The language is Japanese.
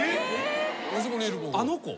あの子？